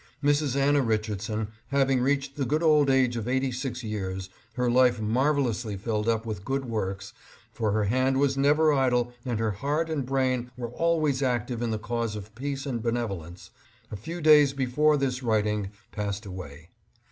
Mrs. Anna Richardson, hav ing reached the good old age of eighty six years, her life marvelously filled up with good works, for her hand was never idle and her heart and brain were always active in the cause of peace and benevolence, a few days before this writing passed away.